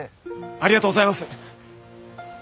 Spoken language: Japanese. ありがとうございます！